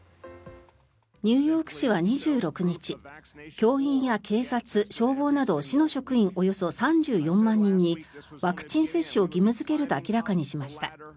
ニューヨーク市は２６日教員や警察、消防など市の職員およそ３４万人にワクチン接種を義務付けると明らかにしました。